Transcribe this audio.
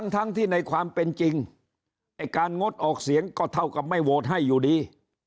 ทั้งที่ในความเป็นจริงไอ้การงดออกเสียงก็เท่ากับไม่โหวตให้อยู่ดี